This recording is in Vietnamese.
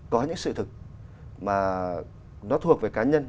có những sự thực mà nó thuộc về cá nhân